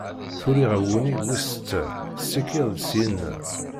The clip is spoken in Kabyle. Tuli ɣer wunnig wis-setta, tessikid-d ssyinna.